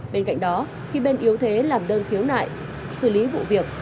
bên cạnh đó khi bên yếu thế làm đơn khiếu nại xử lý vụ việc